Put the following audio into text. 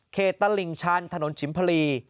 เขตตลิงชันถนนชิมพลี